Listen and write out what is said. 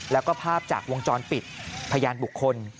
แล้วก็ภาพจากวงจรปิดพยานบุคคล